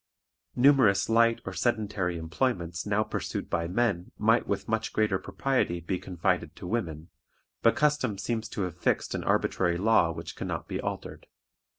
Numerous light or sedentary employments now pursued by men might with much greater propriety be confided to women, but custom seems to have fixed an arbitrary law which can not be altered.